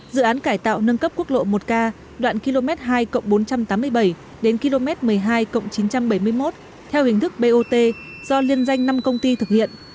dự án cải tạo nâng cấp quốc lộ một k đoạn km hai bốn trăm tám mươi bảy đến km một mươi hai chín trăm bảy mươi một theo hình thức bot do liên danh năm công ty thực hiện